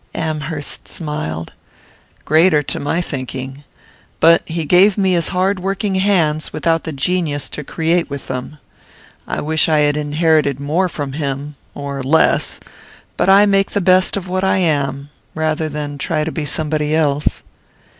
Amherst smiled. "Greater, to my thinking; but he gave me his hard working hands without the genius to create with them. I wish I had inherited more from him, or less; but I must make the best of what I am, rather than try to be somebody else."